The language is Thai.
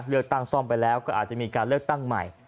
เลือกตั้งซ่อมไปแล้วก็อาจจะมีการเลือกตั้งใหม่